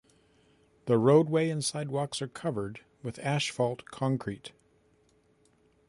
The roadway and sidewalks are covered with asphalt concrete.